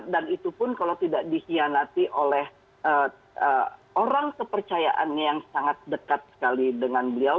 dan itu pun kalau tidak dikhianati oleh orang kepercayaannya yang sangat dekat sekali dengan beliau